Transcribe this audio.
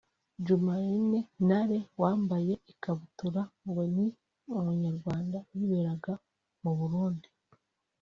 Jumaine Ntate (wambaye ikabutura) ngo ni Umunyarwanda wiberaga mu Burundi